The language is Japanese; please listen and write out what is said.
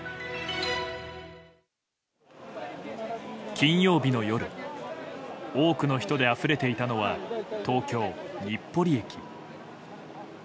金曜日の夜多くの人で、あふれていたのは東京・日暮里駅。